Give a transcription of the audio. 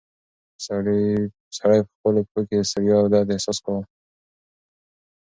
سړی په خپلو پښو کې د ستړیا او درد احساس کاوه.